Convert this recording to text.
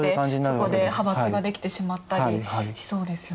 そこで派閥が出来てしまったりしそうですよね。